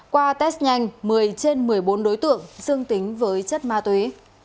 qua test nhanh một mươi trên một mươi bốn đối tượng dương tính với chất ma túy